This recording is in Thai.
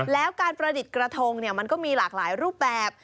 แล้วการประดิษฐ์กระทงมันก็มีหลากหลายรูปแบบ